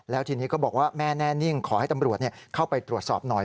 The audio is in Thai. แล้วทีนี้ก็บอกว่าแม่แน่นิ่งขอให้ตำรวจเข้าไปตรวจสอบหน่อย